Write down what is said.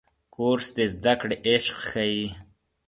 کورس د زده کړې عشق ښيي.